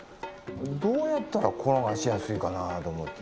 どうやったら転がしやすいかなぁと思て。